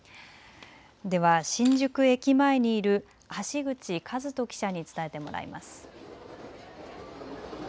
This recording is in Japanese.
では新宿駅前にいる橋口和門記者に伝えてもらいます。